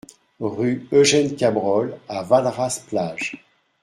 Rue Eugène Cabrol à Valras-Plage